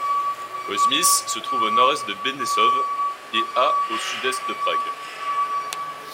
Kozmice se trouve à au nord-est de Benešov et à au sud-est de Prague.